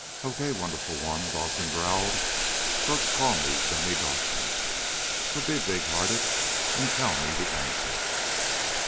"Okay, wonderful one!" Dawson growled. "Folks call me Dummy Dawson. So be big hearted, and tell me the answer."